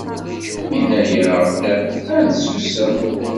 Yenna-yaɣ-d ad nessusem.